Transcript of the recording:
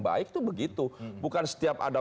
baik itu begitu bukan setiap ada